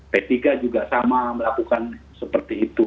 p tiga juga sama melakukan seperti itu